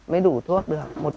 mới đủ thuốc được